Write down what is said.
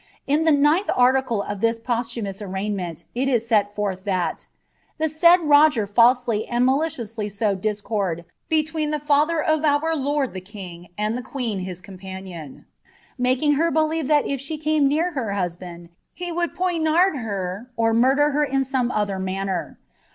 In the B of this posihnmous arraignment it is set forth that, U Roger falsely and maliciously sowed discord between the ir lord the king and the queen his companion, making her I if she came near her husband he would poignard her, or in some other manner.